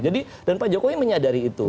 jadi dan pak jokowi menyadari itu